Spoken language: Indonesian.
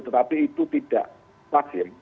tetapi itu tidak pas ya